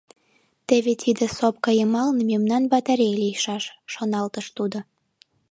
«Теве тиде сопка йымалне мемнан батарей лийшаш, — шоналтыш тудо.